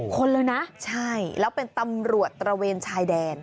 คนเลยนะใช่แล้วเป็นตำรวจตระเวนชายแดน